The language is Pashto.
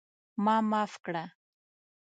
ما معاف کړه!